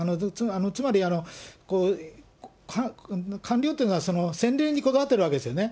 つまり、官僚っていうのは、先例にこだわっているわけですよね。